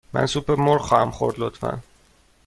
من سوپ مرغ خواهم خورد، لطفاً.